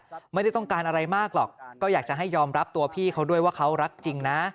ก็ไม่ได้ต้องการอะไรมากหรอกก็อยากจะให้ยอมรับตัวพี่เขาด้วยว่าเขารักจริงนะ